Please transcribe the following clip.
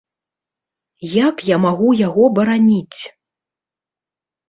Як я магу яго бараніць?